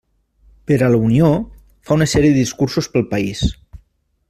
Per a la Unió, fa una sèrie de discursos pel país.